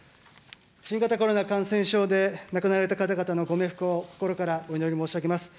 新型コロナ感染症で亡くなられた方々のご冥福を心からお祈り申し上げます。